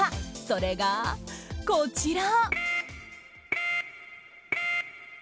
それが、こちら！